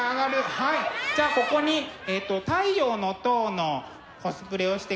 はいじゃあここに「太陽の塔」のコスプレをしてくれている子がいるね。